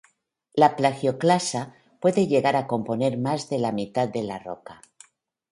La plagioclasa puede llegar a componer más de la mitad de la roca.